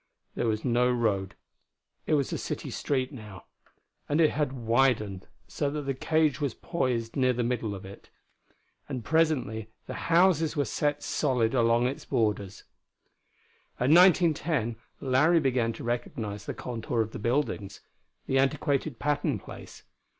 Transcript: There was no road; it was a city street now; and it had widened so that the cage was poised near the middle of it. And presently the houses were set solid along its borders. At 1910 Larry began to recognize the contour of the buildings: The antiquated Patton Place.